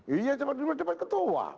iya cuma dapat ketua